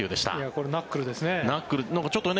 これ、ナックルですね。